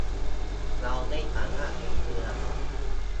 เราไม่สามารถเห็นเรือ